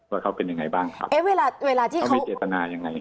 ว่าเขาเป็นยังไงบ้างครับเอ๊ะเวลาเวลาที่เขามีเจตนายังไง